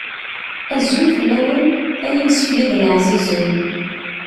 Azul fell-awen, ay imesfliden εzizen.